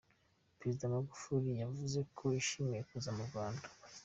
Perezida Magufuri yavuze ko yishimiye kuza mu Rwanda.